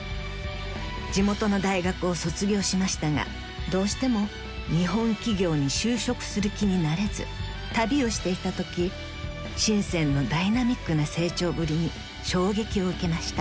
［地元の大学を卒業しましたがどうしても日本企業に就職する気になれず旅をしていたとき深のダイナミックな成長ぶりに衝撃を受けました］